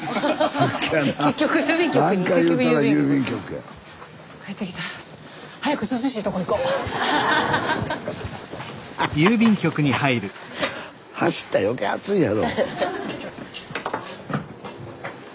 スタジオ走ったら余計暑いやろ。